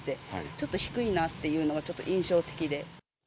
ちょっと低いなっていうのが、ちょっと印象的で。